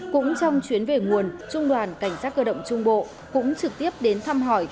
cũng trong chuyến về nguồn trung đoàn cảnh sát cơ động trung bộ cũng trực tiếp đến thăm hỏi